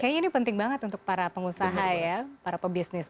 kayaknya ini penting banget untuk para pengusaha ya para pebisnis